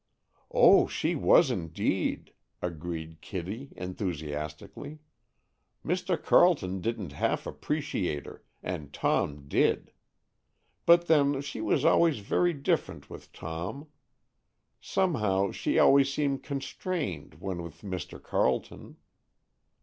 "Oh, she was, indeed," agreed Kitty enthusiastically. "Mr. Carleton didn't half appreciate her, and Tom did. But then she was always very different with Tom. Somehow she always seemed constrained when with Mr. Carleton."